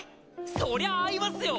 そりゃ会いますよ！